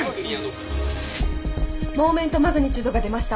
モーメントマグニチュードが出ました。